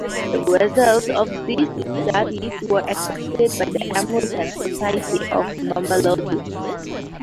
The results of these studies were accepted by the American Society of Mammalogists.